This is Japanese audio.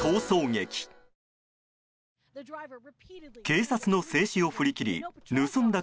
警察の制止を振り切り盗んだ